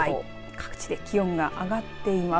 各地で気温が上がっています。